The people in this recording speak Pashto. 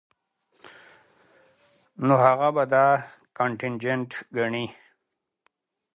نو هغه به دا کانټنجنټ ګڼي